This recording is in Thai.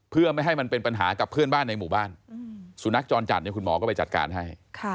เพื่อไม่ให้มันเป็นปัญหากับเพื่อนบ้านในหมู่บ้านสุนัขจรจัดเนี่ยคุณหมอก็ไปจัดการให้